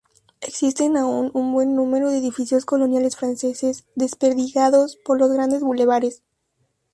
Existen aún un buen número de edificios coloniales franceses desperdigados por los grandes bulevares.